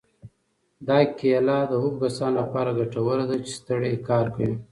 دا کیله د هغو کسانو لپاره ګټوره ده چې ستړی کار کوي.